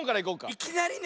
いきなりね！